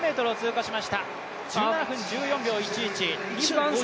１７分１４秒１１。